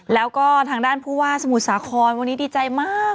แล้วก็ทางด้านผู้ว่าสมุทรสาครวันนี้ดีใจมาก